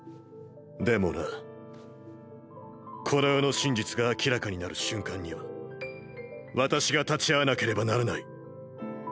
でもなこの世の真実が明らかになる瞬間には私が立ち会わなければならない。